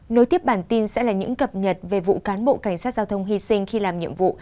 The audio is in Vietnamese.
nối tiếp bản tin sẽ là những cập nhật về vụ cán bộ cảnh sát giao thông hy sinh khi làm nhiệm vụ